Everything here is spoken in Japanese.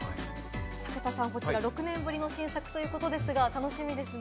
武田さん、こちら６年ぶりの新作ということですが、楽しみですね。